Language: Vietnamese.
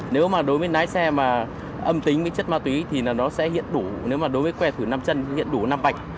nếu mà đối với lái xe mà âm tính với chất ma túy thì nó sẽ hiện đủ nếu mà đối với que thử năm chân thì nó sẽ hiện đủ năm bạch